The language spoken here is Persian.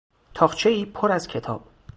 تاقچهای پر از کتاب